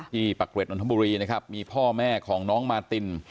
ปักเกร็ดนนทบุรีนะครับมีพ่อแม่ของน้องมาติน